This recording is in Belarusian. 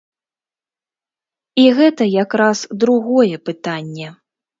І гэта як раз другое пытанне.